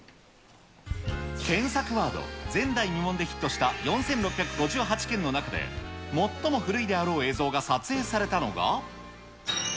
検索ワード、前代未聞でヒットした４６５８件の中で、最も古いであろう映像が撮影されたのが。